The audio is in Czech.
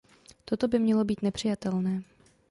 Toto by mělo být nepřijatelné.